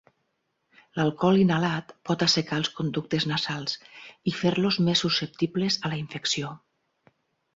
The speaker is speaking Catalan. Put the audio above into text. L'alcohol inhalat pot assecar els conductes nasals i fer-los més susceptibles a la infecció.